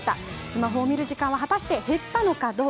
スマホを見る時間は減ったのか。